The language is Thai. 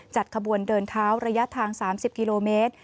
ขบวนเดินเท้าระยะทาง๓๐กิโลเมตร